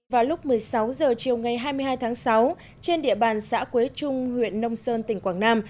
vào lúc một mươi sáu h chiều ngày hai mươi hai tháng sáu trên địa bàn xã quế trung huyện nông sơn tỉnh quảng nam